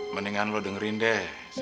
masih ada yang mau ditanyain aja